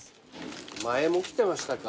前も来てましたか。